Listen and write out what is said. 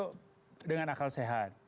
itu dengan akal sehat